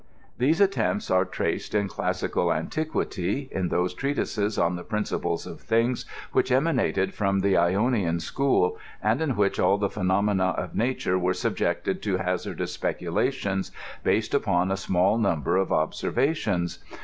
These attempts are traced in classical anti<)uity in those treatises on the principles of things which emanated from the Ionian school, and in which all the phenomena of nature were subjected to hazardous speculations, based upon a small number of observations.